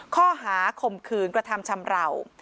ข้อหาข่มขืนกระทำชำราว